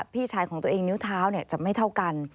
พี่ชายของตัวเองนิ้วเท้าจะไม่เท่ากัน